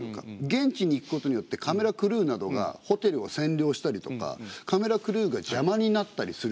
現地に行くことによってカメラクルーなどがホテルを占領したりとかカメラクルーが邪魔になったりする可能性もある。